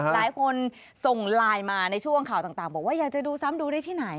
หลายคนส่งไลน์มาในช่วงข่าวต่างบอกว่าอยากจะดูซ้ำดูได้ที่ไหน